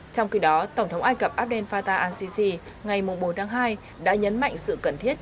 trong khi đó tổng thống ai cập abdel fattah al sisi ngày bốn tháng hai đã nhấn mạnh sự cần thiết